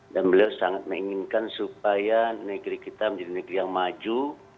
dan beliau sangat menginginkan supaya negeri kita menjadi negeri yang maju